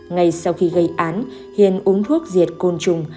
ngay sau khi gây án hiền uống thuốc diệt côn trùng